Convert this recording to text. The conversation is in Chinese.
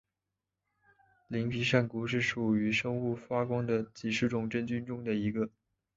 鳞皮扇菇是属于生物发光的几十种真菌中的一个。